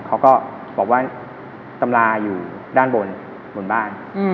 เขาก็บอกว่าตำราอยู่ด้านบนบนบ้าน